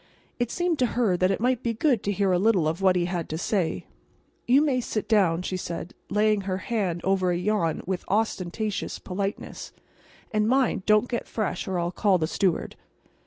It seemed to her that it might be good to hear a little of what he had to say. "You may sit down," she said, laying her hand over a yawn with ostentatious politness; "and—mind—don't get fresh or I'll call the steward."